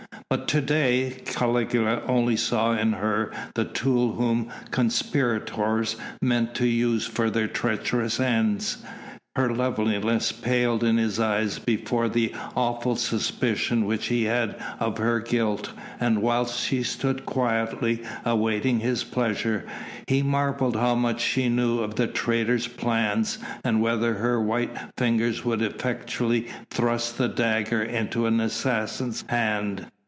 But to day Caligula only saw in her the tool whom conspirators meant to use for their treacherous ends, her loveliness paled in his eyes before the awful suspicion which he had of her guilt, and whilst she stood quietly awaiting his pleasure, he marvelled how much she knew of the traitors' plans and whether her white fingers would effectually thrust the dagger into an assassin's hand.